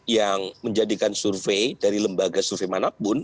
yang menjadikan survei dari lembaga survei manapun